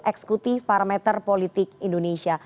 eksekutif parameter politik indonesia